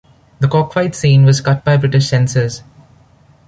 The cockfight scene was cut by British censors.